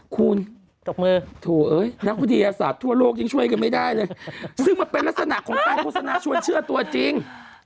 คุณตบมือโถเอ้ยนักวิทยาศาสตร์ทั่วโลกยังช่วยกันไม่ได้เลยซึ่งมันเป็นลักษณะของการโฆษณาชวนเชื่อตัวจริง